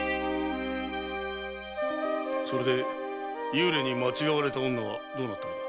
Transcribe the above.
幽霊に間違われた女はそれでどうなったのだ？